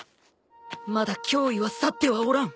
まだ脅威は去ってはおらん。